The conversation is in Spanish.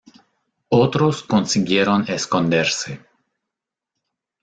Otros consiguieron esconderse.